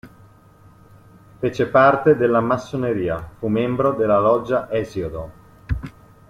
Fece parte della Massoneria, fu membro della loggia "Esiodo".